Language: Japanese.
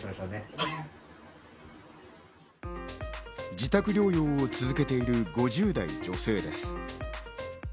自宅療養を続けている５０代女性です。